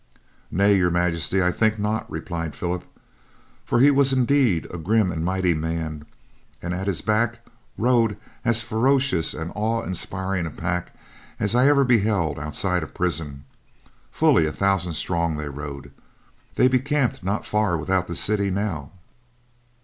"Nay, Your Majesty, I think not," replied Philip, "for he was indeed a grim and mighty man, and at his back rode as ferocious and awe inspiring a pack as ever I beheld outside a prison; fully a thousand strong they rode. They be camped not far without the city now."